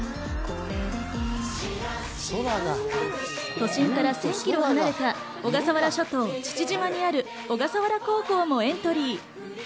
都心から１０００ｋｍ離れた小笠原諸島、父島にある小笠原高校もエントリー。